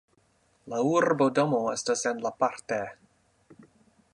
La urbodomo estas en La Parte.